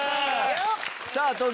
さあ東京